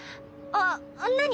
あっ何？